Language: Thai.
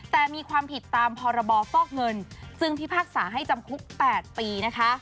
แต่มีความผิดตามพรฟเงินจึงพิพักษาให้จำคุก๘ปี